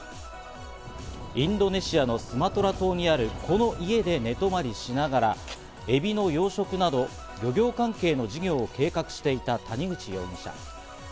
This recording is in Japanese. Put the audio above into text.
インドネシアのスマトラ島にあるこの家で寝泊まりしながらエビの養殖など漁業関係の事業を計画していた谷口容疑者。